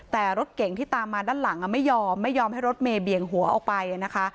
แต่รถเก่งที่ตามมาด้านหลังไม่ยอมไม่ยอมให้รถเมย์เบี่ยงหัวออกไปนะคะ